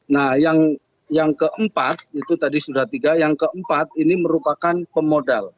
nah yang keempat itu tadi sudah tiga yang keempat ini merupakan pemodal